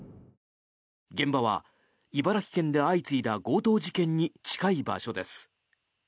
現場は茨城県で相次いだ強盗事件に近い場所です。